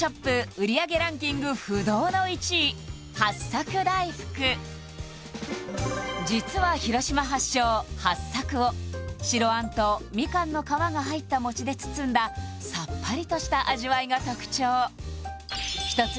売り上げランキング不動の１位実は広島発祥はっさくを白餡とみかんの皮が入った餅で包んださっぱりとした味わいが特徴一つ